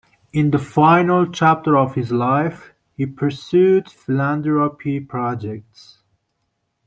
In the final chapter of his life, he pursued philanthropy projects.